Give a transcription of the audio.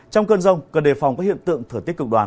trong cơn rông cần đề phòng các hiện tượng thở tiết cực đoàn